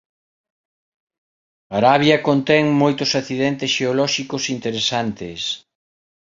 Arabia conten moitos accidentes xeolóxicos interesantes.